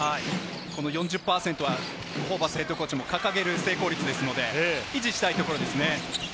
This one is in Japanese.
この４０％はホーバスＨＣが掲げる成功率なので維持したいところですね。